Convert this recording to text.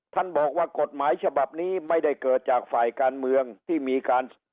ท่านบอกว่ากฎหมายฉบับนี้ไม่ได้เกิดจากฝ่ายการเมืองที่มีการ